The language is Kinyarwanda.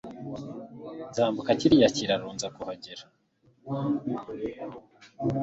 Nzambuka kiriya kiraro nza kuhagera.